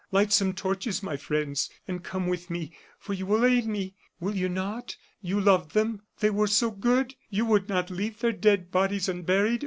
Light some torches, my friends, and come with me, for you will aid me, will you not? You loved them; they were so good! You would not leave their dead bodies unburied!